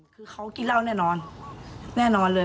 คือเขากินเหล้าแน่นอนแน่นอนเลย